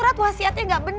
peng roses yakin agak mario